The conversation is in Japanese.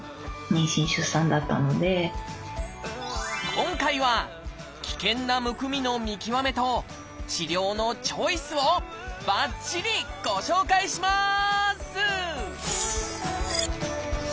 今回は危険なむくみの見極めと治療のチョイスをばっちりご紹介します！